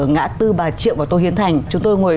ngã tư bà triệu và tô hiến thành chúng tôi ngồi